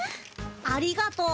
ありがとう。